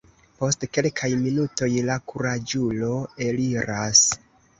Post kelkaj minutoj la kuraĝulo eliras.